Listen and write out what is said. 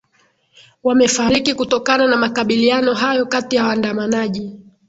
wamefariki kutokana na makabiliano hayo kati ya waandamanaji